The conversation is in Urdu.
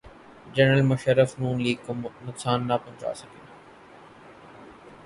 جنرل مشرف نون لیگ کو نقصان نہ پہنچا سکے۔